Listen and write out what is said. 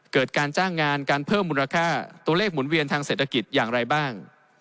การจ้างงานการเพิ่มมูลค่าตัวเลขหมุนเวียนทางเศรษฐกิจอย่างไรบ้าง